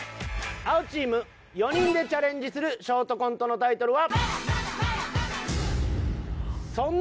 青チーム４人でチャレンジするショートコントのタイトルは。